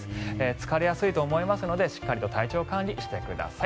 疲れやすいと思いますのでしっかりと体調管理をしてください。